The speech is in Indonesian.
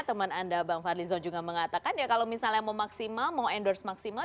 teman anda bang fadlizon juga mengatakan ya kalau misalnya mau maksimal mau endorse maksimal